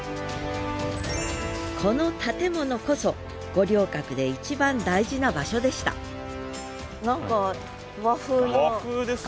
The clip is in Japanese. この建物こそ五稜郭で一番大事な場所でしたへえ。